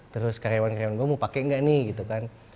terus karyawan karyawan gue mau pakai nggak nih gitu kan